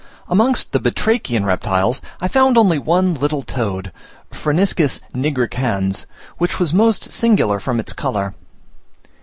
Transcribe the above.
Amongst the Batrachian reptiles, I found only one little toad (Phryniscus nigricans), which was most singular from its colour.